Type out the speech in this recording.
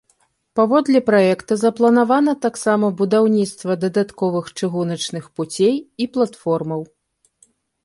Паводле праекта запланавана таксама будаўніцтва дадатковых чыгуначных пуцей і платформаў.